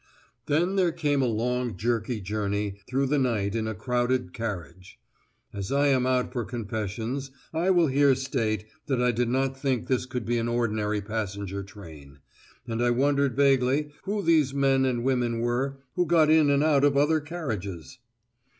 Then there came a long jerky journey through the night in a crowded carriage. (As I am out for confessions, I will here state that I did not think this could be an ordinary passenger train, and I wondered vaguely who these men and women were who got in and out of other carriages!)